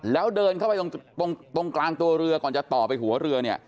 แล้วเดินเข้าไปตรงกลางตัวเรือก่อนจะต่อไปหัวเรือเนี่ย